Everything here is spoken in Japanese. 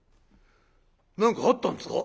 「何かあったんですか？」。